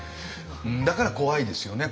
だから怖いですよね